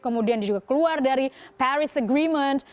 kemudian juga keluar dari paris agreement